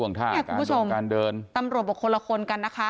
นี่คุณผู้ชมตำรวจบอกคนละคนกันนะคะ